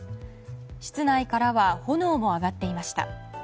室内からは炎も上がっていました。